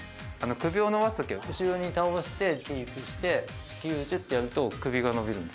「首を伸ばす時は後ろに倒してキープして８９１０ってやると首が伸びるんです」